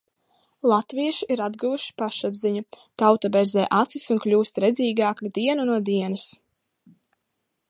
Latvieši ir atguvuši pašapziņu, tauta berzē acis un kļūst redzīgāka dienu no dienas.